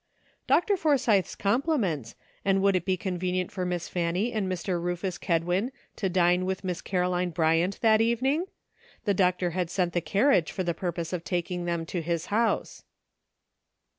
'' Dr. Forsythe's compliments, and would it be convenient for Miss Fanny and Mr. Rufus Kedwin to dine with Miss Caroline Bryant that evening? The doctor had sent the carriage for the purpose of taking them to his house."